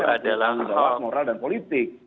tadi benar kata ubed